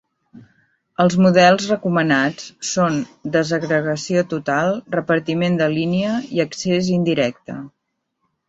Els models recomanats són desagregació total, repartiment de línia i accés indirecte.